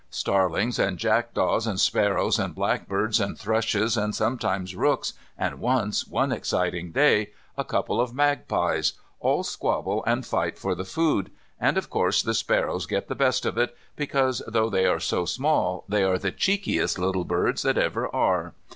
Starlings, and jackdaws, and sparrows, and blackbirds, and thrushes, and sometimes rooks, and once, one exciting day, a couple of magpies, all squabble and fight for the food, and of course the sparrows get the best of it, because though they are so small they are the cheekiest little birds that ever are.